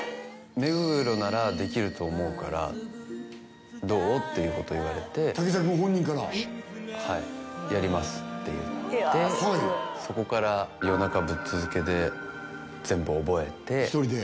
「目黒ならできると思うからどう？」っていうこと言われてはい「やります！」って言ってそこから夜中ぶっ続けで全部覚えて一人で？